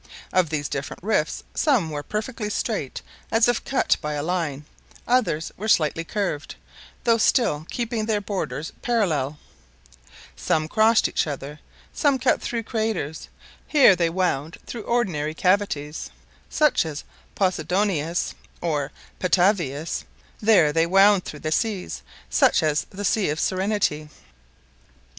Of these different rifts some were perfectly straight, as if cut by a line; others were slightly curved, though still keeping their borders parallel; some crossed each other, some cut through craters; here they wound through ordinary cavities, such as Posidonius or Petavius; there they wound through the seas, such as the "Sea of Serenity."